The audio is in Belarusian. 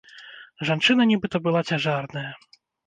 Жанчына нібыта была цяжарная.